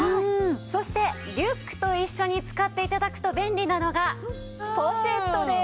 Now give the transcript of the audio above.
そしてリュックと一緒に使って頂くと便利なのがポシェットです！